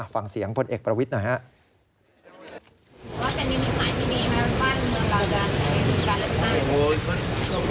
ฟังเสียงพลเอกประวิทย์หน่อยครับ